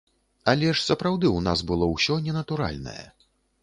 Але ж сапраўды ў нас было ўсё ненатуральнае.